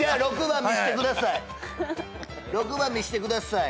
「６番見してください」